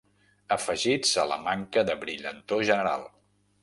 Afegits a la manca de brillantor general.